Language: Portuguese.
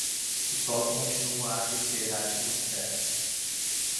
O sol continua a aquecer a atmosfera.